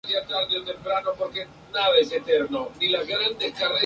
Se encuentra cerca del extremo sur del golfo San Jorge.